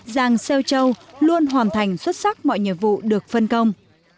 giàng xeo châu luôn hoàn thành xuất sắc mọi nhiệm vụ được phân công